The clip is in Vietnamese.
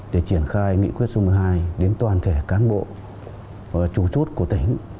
để triển khai nghị quyết số một mươi hai đến toàn thể cán bộ và chủ chút của tỉnh